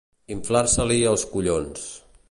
Inflar-se-li els collons.